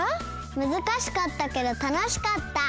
むずかしかったけどたのしかった。